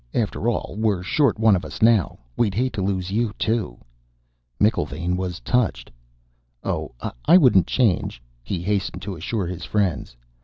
After all, we're short one of us now. We'd hate to lose you, too." McIlvaine was touched. "Oh, I wouldn't change," he hastened to assure his friends.